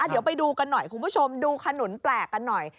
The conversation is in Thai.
เดี๋ยวไปดูกันหน่อยคุณผู้ชมดูขนุนแปลกกันหน่อย